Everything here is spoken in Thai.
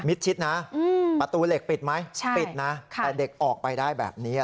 ชิดนะประตูเหล็กปิดไหมปิดนะแต่เด็กออกไปได้แบบนี้